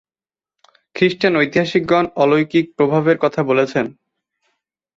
খ্রিষ্টান ঐতিহাসিকগণ অলৌকিক প্রভাবের কথা বলেছেন।